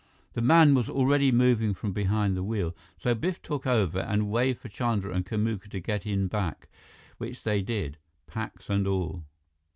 The man was already moving from behind the wheel, so Biff took over and waved for Chandra and Kamuka to get in back, which they did, packs and all.